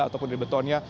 ataupun dari betonnya